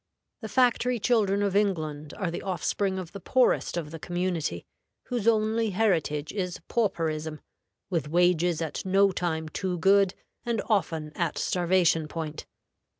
The factory children of England are the offspring of the poorest of the community, whose only heritage is pauperism, with wages at no time too good, and often at starvation point.